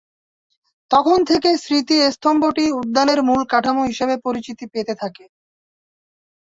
তখন থেকে স্মৃতিস্তম্ভটি উদ্যানের মূল কাঠামো হিসেবে পরিচিতি পেতে থাকে।